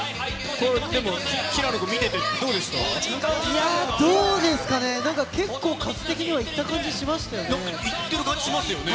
これ、でも平野君、見ててどいやー、どうですかね、結構、数的にはいった感じしましたよね。